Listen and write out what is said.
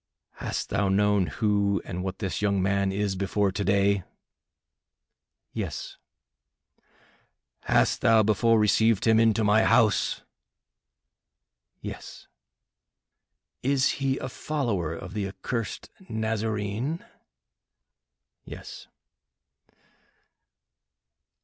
"Hast thou known who and what this young man is before to day?" "Yes." "Hast thou before received him into my house?" "Yes." "Is he a follower of the accursed Nazarene?" "Yes."